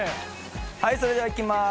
はいそれではいきます。